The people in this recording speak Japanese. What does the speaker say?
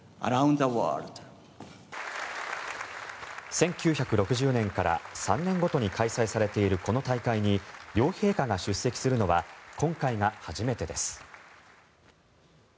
１９６０年から３年ごとに開催されているこの大会に両陛下が出席するのは今回が初めてです。